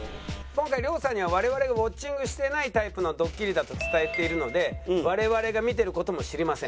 今回亮さんには我々がウォッチングしていないタイプのドッキリだと伝えているので我々が見ている事も知りません。